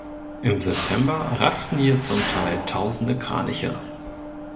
Im September rasten hier zum Teil tausende Kraniche.